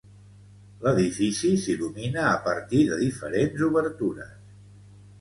L'edifici s'il·lumina a partir de diferents obertures.